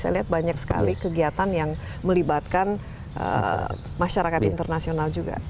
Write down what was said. saya lihat banyak sekali kegiatan yang melibatkan masyarakat internasional juga